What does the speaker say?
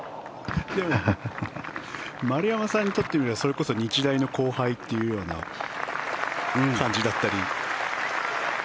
丸山さんにとってみればそれこそ日大の後輩というような感じだったり。